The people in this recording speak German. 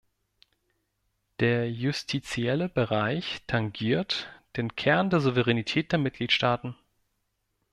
Der justitielle Bereich tangiert den Kern der Souveränität der Mitgliedstaaten.